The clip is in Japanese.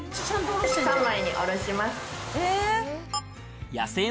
三枚におろします。